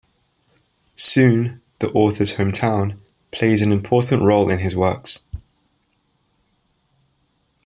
Sunne, the author's home town, plays an important role in his works.